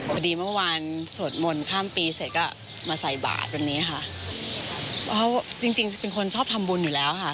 พอดีเมื่อวานสวดมนต์ข้ามปีเสร็จก็มาใส่บาทวันนี้ค่ะเพราะจริงจริงเป็นคนชอบทำบุญอยู่แล้วค่ะ